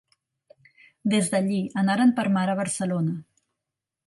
Des d'allí anaren per mar a Barcelona.